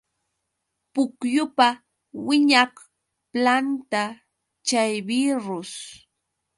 Pukyupa wiñaq planta chay birrus.